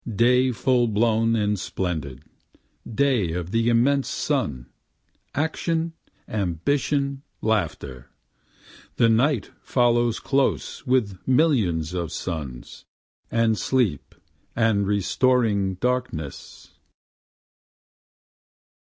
Day full blown and splendid day of the immense sun, action, ambition, laughter, The Night follows close with millions of suns, and sleep and restoring darkness.